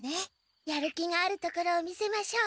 やる気があるところを見せましょう。